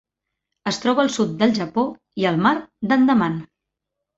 Es troba al sud del Japó i el mar d'Andaman.